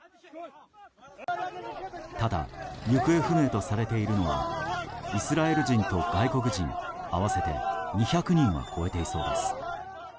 ただ、行方不明とされているのはイスラエル人と外国人合わせて２００人は超えていそうです。